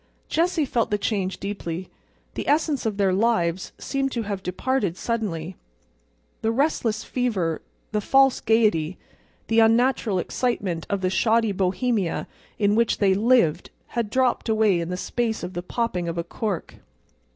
Jessie felt the change deeply. The essence of their lives seemed to have departed suddenly. The restless fever, the false gayety, the unnatural excitement of the shoddy Bohemia in which they had lived had dropped away in the space of the popping of a cork.